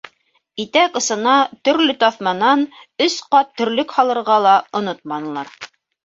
Итәк осона төрлө таҫманан өс ҡат төрлөк һалырға ла онотманылар.